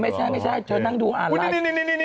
ไม่ใช่เชิญนั่งดูอ่านไลฟ์